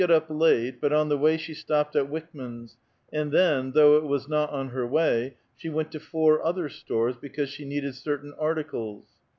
t up late, but on the way she stopped at Wickman's, and then, though it was not on her way, she went to four other stores because she needed certain articles.